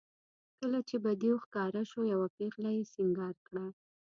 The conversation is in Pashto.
کله چې به دېو ښکاره شو یوه پېغله یې سینګار کړه.